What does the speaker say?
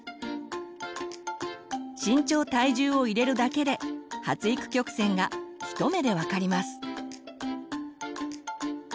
身長体重を入れるだけで発育曲線が一目で分かります。